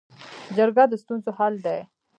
جرګه د ستونزو حل دی